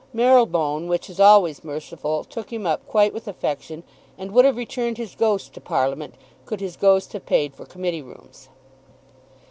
Marylebone, which is always merciful, took him up quite with affection, and would have returned his ghost to Parliament could his ghost have paid for committee rooms.